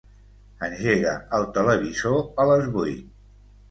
Engega el televisor a les vuit.